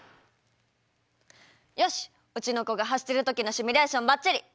よしうちの子が走ってる時のシミュレーションばっちり。